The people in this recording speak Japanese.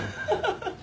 ハハハ。